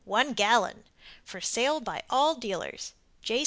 1 gallon For sale by all dealers J.